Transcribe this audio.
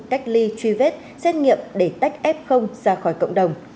cách ly truy vết xét nghiệm để tách ép không ra khỏi cộng đồng